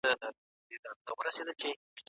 دا کیسه د ډېرو افغان نجونو د ژوند یو تصویر دی.